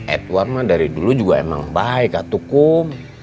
edward mah dari dulu juga emang baik kak tukum